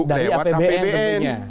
dari apbn tentunya